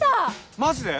マジで？